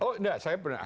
oh tidak saya pernah